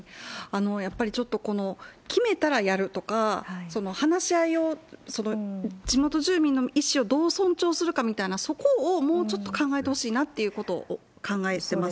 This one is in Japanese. やっぱりちょっと決めたらやるとか、話し合いを、地元住民の意思をどう尊重するかみたいな、そこをもうちょっと考えてほしいなっていうことを考えてます。